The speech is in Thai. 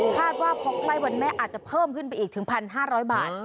ว่าพอใกล้วันแม่อาจจะเพิ่มขึ้นไปอีกถึง๑๕๐๐บาท